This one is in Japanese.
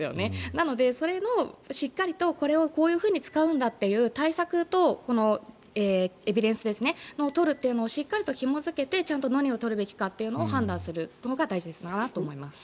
なので、それのしっかりとこれをこういうふうに使うんだっていう対策とこのエビデンスを取るテーマをしっかりとひも付けて何を取るべきかというのを判断するほうが大事かなと思います。